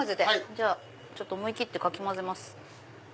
思い切ってかき混ぜます。